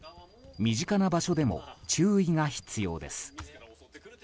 身近な場所でも注意が必要です。